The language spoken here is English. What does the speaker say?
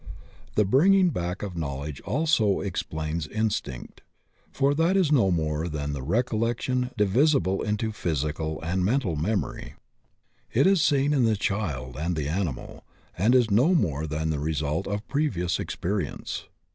The bringing back of knowledge also explains instinct, for that is no more than recollection divisible into physical and mental memory. It is seen in the child and the animal, and is no more than the result of previous experience.